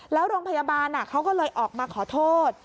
แล้วโรงพยาบาลเขาก็เลยออกมาขอโทษ